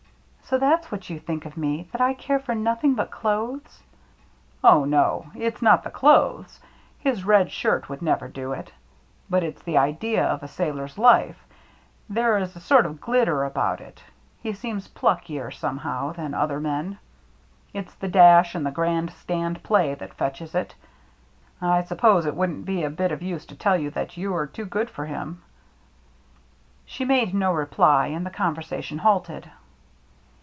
" So that's what you think of me — that I care for nothing but clothes?" "Oh, no, it's not the clothes. His red shirt would never do it. But it's the idea of a sailor's life — there is a sort of glitter about it — he seems pluckier, somehow, than other men. It's the dash and the grand stand play that fetches it. I suppose it wouldn't be a bit of use to tell you that you are too good for him." She made no reply, and the conversation halted.